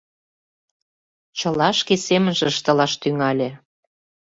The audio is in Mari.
Чыла шке семынже ыштылаш тӱҥале.